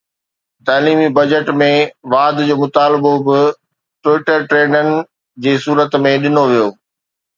تعليمي بجيٽ ۾ واڌ جو مطالبو به ٽوئيٽر ٽريڊن جي صورت ۾ ڏٺو ويو